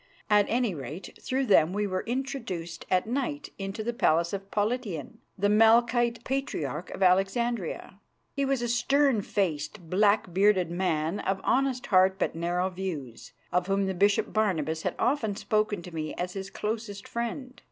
At any rate, through them we were introduced at night into the palace of Politian, the Melchite Patriarch of Alexandria. He was a stern faced, black bearded man of honest heart but narrow views, of whom the Bishop Barnabas had often spoken to me as his closest friend.